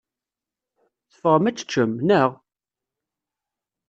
Teffɣem ad teččem, naɣ?